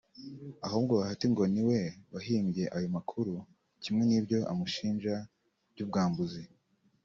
ahubwo Bahati ngo ni we wahimbye ayo makuru kimwe n'ibyo amushinja by'ubwambuzi